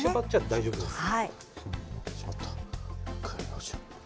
大丈夫です。